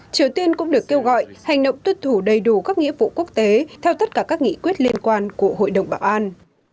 triều tiên cũng được kêu gọi hành động tuyệt thủ đầy đủ các nghĩa vụ quốc tế theo tất cả các nghị quyết liên quan của hội đồng bảo an